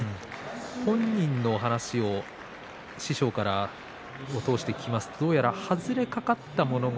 本人の話を師匠を通して聞きますとどうやら外れかかっていたものが